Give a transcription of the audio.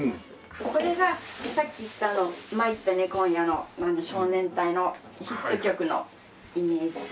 これがさっき言った『まいったネ今夜』の少年隊のヒット曲のイメージで。